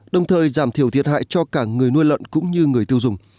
đồng thời giảm thiểu thiệt hại cho cả người nuôi lợn cũng như người tiêu dùng